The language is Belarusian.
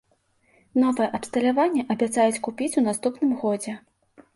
Новае абсталяванне абяцаюць купіць у наступным годзе.